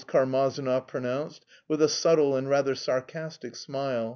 Karmazinov pronounced with a subtle and rather sarcastic smile.